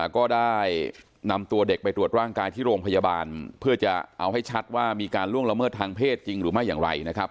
ก็ได้นำตัวเด็กไปตรวจร่างกายที่โรงพยาบาลเพื่อจะเอาให้ชัดว่ามีการล่วงละเมิดทางเพศจริงหรือไม่อย่างไรนะครับ